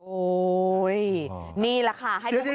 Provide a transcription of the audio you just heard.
โอ๊ยนี่แหละค่ะ